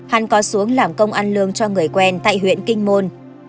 hắn có xuống làm công ăn lương cho người quen tại huyện kinh môn